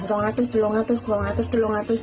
rangatus tulungatus rangatus tulungatus